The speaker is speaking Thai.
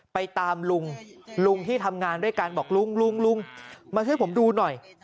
ไปตามลุงลุงที่ทำงานด้วยกันบอกลุงลุงมาช่วยผมดูหน่อย